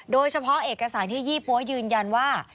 โดยเฉพาะเอกสารที่ยี่ปั๊วยืนยันว่า